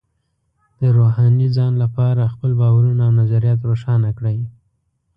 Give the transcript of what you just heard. د روحاني ځان لپاره خپل باورونه او نظریات روښانه کړئ.